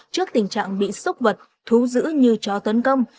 trước tình trạng bị sốc vật thú giữ như chó tấn công